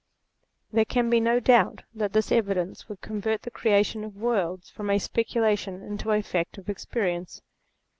There can be no doubt that this evidence would convert the creation of worlds from a speculation into a fact of experience.